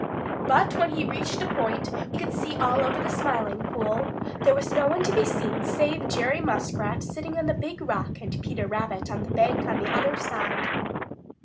But when he reached a point where he could see all over the Smiling Pool, there was no one to be seen save Jerry Muskrat sitting on the Big Rock and Peter Rabbit on the bank on the other side.